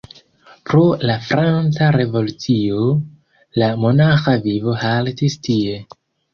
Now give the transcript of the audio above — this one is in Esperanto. Pro la franca revolucio, la monaĥa vivo haltis tie.